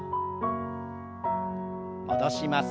戻します。